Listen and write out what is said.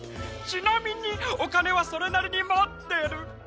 ちなみにおかねはそれなりにもってる！